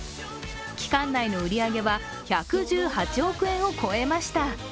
期間内の売り上げは１１８億円を超えました。